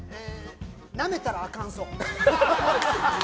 なめたらあかんそう。